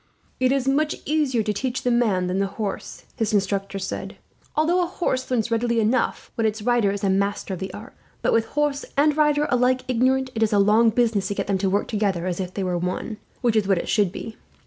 "It is much easier to teach the man than the horse," his instructor said, "although a horse learns readily enough, when its rider is a master of the art; but with horse and rider alike ignorant, it is a long business to get them to work together as if they were one, which is what should be.